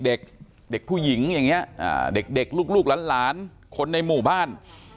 เด็กเด็กผู้หญิงอย่างนี้เด็กลูกหลานคนในหมู่บ้าน